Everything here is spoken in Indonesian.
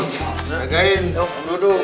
terima kasih ya